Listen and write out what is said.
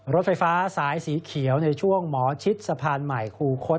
รถไฟฟ้าสายสีเขียวในช่วงหมอชิดสะพานใหม่คูคศ